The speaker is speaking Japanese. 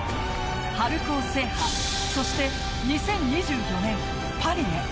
春高制覇そして、２０２４年パリへ。